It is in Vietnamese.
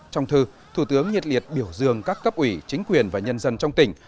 trong thư thủ tướng nhiệt liệt biểu dương các cấp ủy chính quyền và nhân dân trong tỉnh